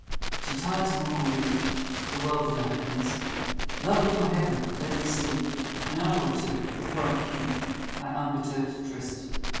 Too tired to mock or weep The world that I have missed, Love, in your heaven let me sleep An hour or two, before I keep My unperturbed tryst.